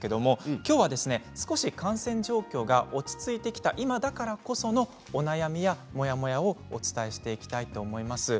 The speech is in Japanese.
きょうは少し感染状況が落ち着いてきた今だからこそのお悩みやモヤモヤをお伝えします。